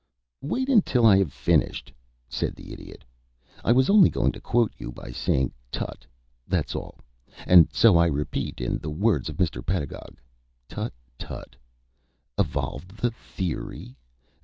"Wait until I have finished," said the Idiot. "I was only going to quote you by saying 'Tutt!' that's all; and so I repeat, in the words of Mr. Pedagog, tutt, tutt! Evolved the theory?